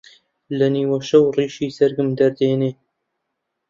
لە نیوە شەو ڕیشەی جەرگم دەردێنێ